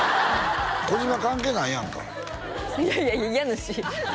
児嶋関係ないやんかいやいや家主